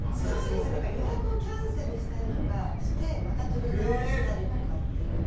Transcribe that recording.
予約をキャンセルしたりしてまた取り直したりとかっていうのは。